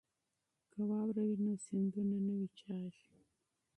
که واوره وي نو سیندونه نه وچیږي.